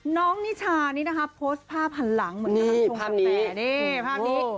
น้องนิชานี่นะคะโพสต์ภาพหันหลังเหมือนกับทรงกาแฟนี่ภาพนี้